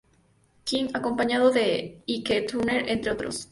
King, acompañado de Ike Turner, entre otros.